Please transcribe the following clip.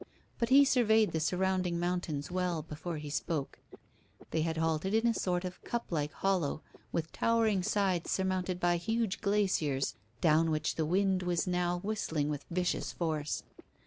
But he surveyed the surrounding mountains well before he spoke. They had halted in a sort of cup like hollow, with towering sides surmounted by huge glaciers down which the wind was now whistling with vicious force.